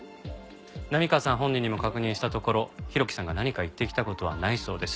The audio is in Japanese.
波川さん本人にも確認したところ浩喜さんが何か言ってきた事はないそうです。